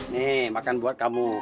nih makan buat kamu